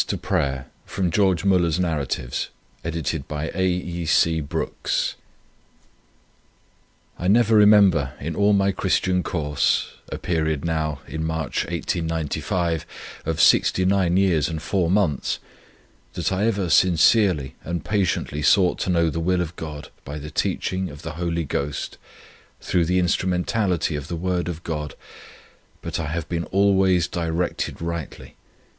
The Moody Press 153 Institute Place Chicago "I never remember, in all my Christian course, a period now (in March, 1895) of sixty nine years and four months, that I ever SINCERELY and PATIENTLY sought to know the will of God by the teaching of the Holy Ghost, through the instrumentality of the Word of God, but I have been ALWAYS directed rightly.